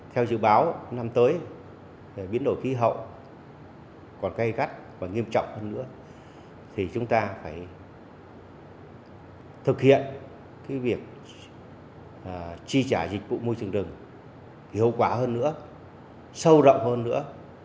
theo dự báo năm tới biến đổi khí hậu còn gây gắt và nghiêm trọng hơn nữa thì chúng ta phải thực hiện việc chi trả dịch vụ môi trường rừng hiệu quả hơn nữa sâu rộng hơn nữa